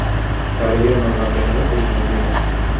علي أن أغادر هذه المدينة.